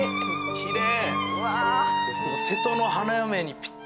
きれい！